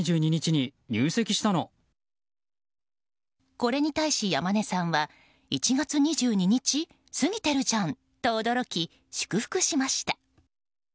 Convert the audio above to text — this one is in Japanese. これに対し山根さんは１月２２日過ぎてるじゃんと驚き祝福しました。